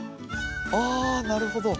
あなるほど。